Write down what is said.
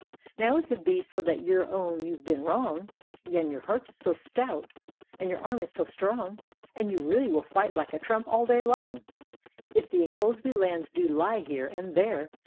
" Now if it be so that you own you've been wrong, And your heart is so stout and your arm is so strong. And you really will fight like a trump all day long; — If the Ingoldsby lands do lie here and there.